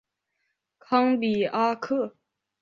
康比阿克。